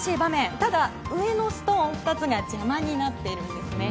ただ、上のストーンが邪魔になっているんです。